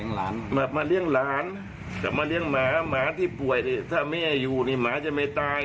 หาหมาที่ป่วยถ้าแม่อยู่นี่หมาจะไม่ตาย